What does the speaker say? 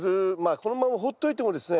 このままほっておいてもですね